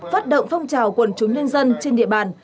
phát động phong trào quần chúng nhân dân trên địa bàn